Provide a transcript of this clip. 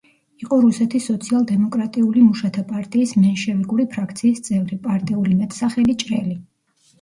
იყო რუსეთის სოციალ-დემოკრატიული მუშათა პარტიის „მენშევიკური“ ფრაქციის წევრი; პარტიული მეტსახელი „ჭრელი“.